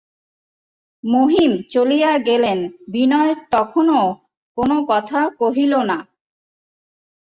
মহিম চলিয়া গেলেন, বিনয় তখনো কোনো কথা কহিল না।